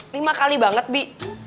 lima kali banget bi